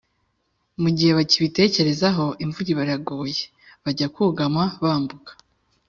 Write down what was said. Mu gihe bakibitekerezaho, imvura iba iraguye. Bajya kugama , bambuka